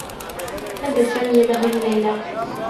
مدّ سامي يده لليلى.